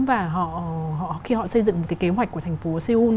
và khi họ xây dựng một cái kế hoạch của thành phố seoul